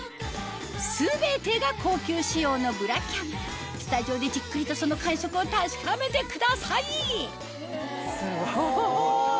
全てが高級仕様のブラキャミスタジオでじっくりとその感触を確かめてくださいすごい！